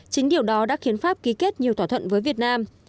chính điều đó đã khiến pháp ký kết nhiều thỏa thuận với việt nam